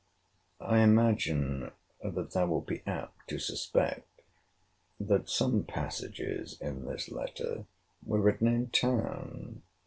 I imagine that thou wilt be apt to suspect that some passages in this letter were written in town.